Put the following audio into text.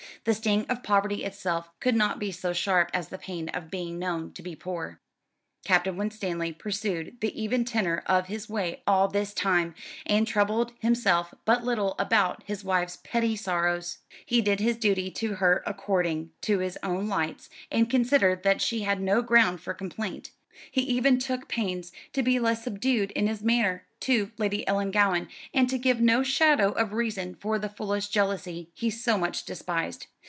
The sting of poverty itself could not be so sharp as the pain of being known to be poor. Captain Winstanley pursued the even tenor of his way all this time, and troubled himself but little about his wife's petty sorrows. He did his duty to her according to his own lights, and considered that she had no ground for complaint. He even took pains to be less subdued in his manner to Lady Ellangowan, and to give no shadow of reason for the foolish jealousy he so much despised.